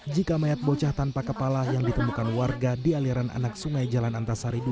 jika mayat bocah tanpa kepala yang ditemukan warga di aliran anak sungai jalan antasari dua